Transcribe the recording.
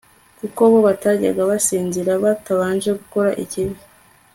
kuko bo batajya basinzira, batabanje gukora ikibi